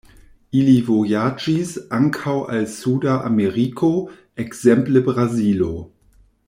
Ili vojaĝis ankaŭ al suda Ameriko, ekzemple Brazilo.